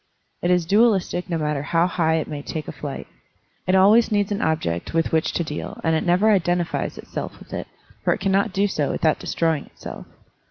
It is dualistic no matter how high it may take a flight. It always needs an object with which to deal, and it never identifies itself with it, for it cannot do so without destroying itself.